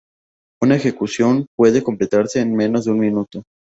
Una ejecución puede completarse en menos de un minuto.